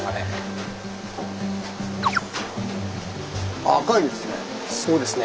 ああ赤いですね。